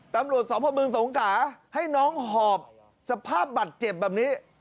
ตำรวจสพเมืองสงขาให้น้องหอบสภาพบัตรเจ็บแบบนี้